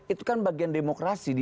itu kan bagian demokrasi di negara